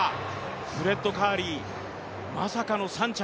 フレッド・カーリー、まさかの３着。